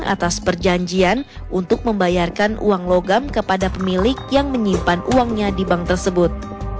atas perjanjian untuk membayarkan uang logam kepada pemilik yang menyimpan uangnya di bank tersebut